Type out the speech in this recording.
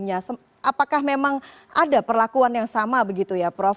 apakah memang ada perlakuan yang sama